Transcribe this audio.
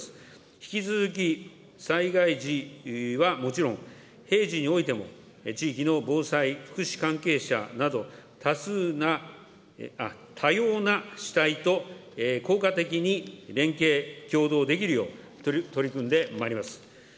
引き続き、災害時はもちろん、平時においても地域の防災福祉関係者など、多数な、多様な主体と効果的に連携、協働できるよう、取り組んでまいります。